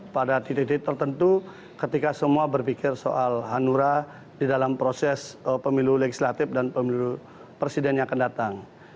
pada titik titik tertentu ketika semua berpikir soal hanura di dalam proses pemilu legislatif dan pemilu presiden yang akan datang